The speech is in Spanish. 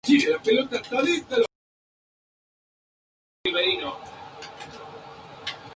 Linda Mirabal se crio en un ambiente marcado por la música y la interpretación.